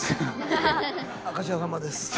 明石家さんまです。